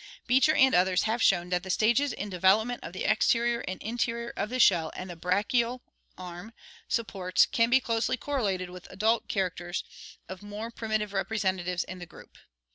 Beecher and others have shown that the stages in development of the exterior and interior of the shell and the brachial (arm) sup ports can be closely correlated with adult characters of more primi tive representatives in the group.